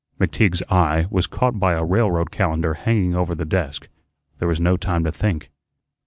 McTeague's eye was caught by a railroad calendar hanging over the desk. There was no time to think.